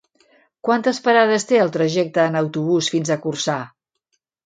Quantes parades té el trajecte en autobús fins a Corçà?